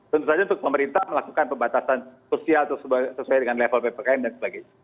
tentu saja untuk pemerintah melakukan pembatasan sosial sesuai dengan level ppkm dan sebagainya